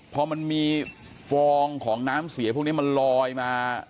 พอมันมีฟองของน้ำเสียพวกนี้มันลอยมา